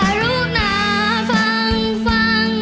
ถ้ารูปหนาฟังฟัง